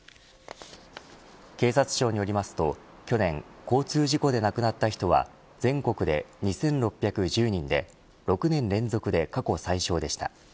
警察庁によりますと去年交通事故で亡くなった人は全国で２６１０人で６年連続で過去最少でした。